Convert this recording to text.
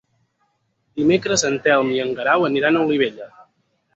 Dimecres en Telm i en Guerau aniran a Olivella.